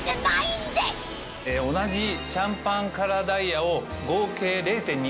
同じシャンパンカラーダイヤを合計０．２